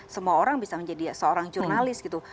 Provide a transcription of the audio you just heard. semua orang bisa menjadi seorang jurnalis gitu